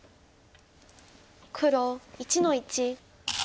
黒１の一。